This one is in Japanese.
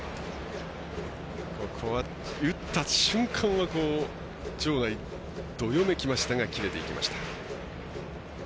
打った瞬間は、場内がどよめきましたが切れていきました。